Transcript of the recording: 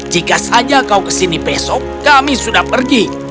jika saja kau kesini besok kami sudah pergi